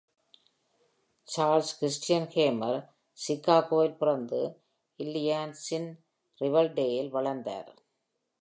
Charles Christian Hamer, சிகாகோவில் பிறந்து இல்லினாய்ஸின் ரிவர்டேலில் வளர்ந்தார்.